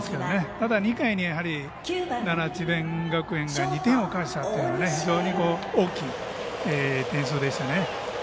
ただ２回にやはり奈良の智弁学園が２点を返したというのは非常に大きい点数でしたね。